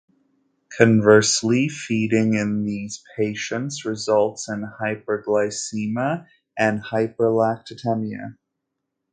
Conversely, feeding in these patients results in hyperglycemia and hyperlactatemia.